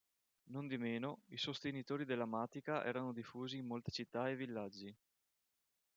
Nondimeno, i sostenitori della "Matica" erano diffusi in molte città e villaggi.